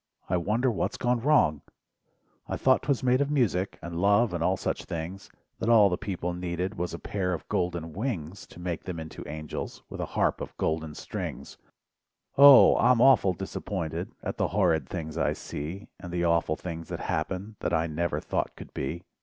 I wonder what's gone wrong! I thought 'twas made of music, And love and all such things, That all the people needed, Was a pair of golden wings. To make them into angels With a harp of golden strings, 0! I'm awful disappointed At the horrid things I see. And the awful things that happen That I never thought could be.